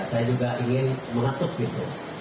saya juga ingin mengetuk gitu